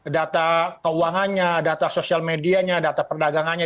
data keuangannya data sosial medianya data perdagangannya